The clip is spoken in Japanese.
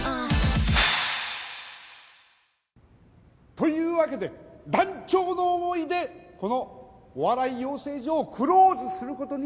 というわけで断腸の思いでこのお笑い養成所をクローズする事に致しました。